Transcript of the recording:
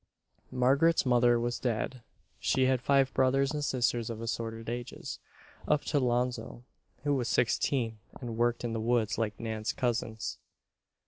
Margaret's mother was dead. She had five brothers and sisters of assorted ages, up to 'Lonzo, who was sixteen and worked in the woods like Nan's cousins.